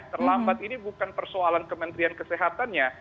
terlambat ini bukan persoalan kementerian kesehatannya